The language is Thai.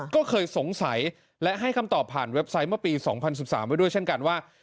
ก็เคยสงสัยและให้คำตอบผ่านเว็บไซต์เมื่อปี๒๐๑๓ไว้ด้วยเช่นกันว่า